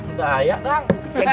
nggak ada kang